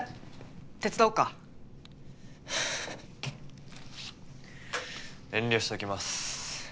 手伝おうか？はあ遠慮しときます。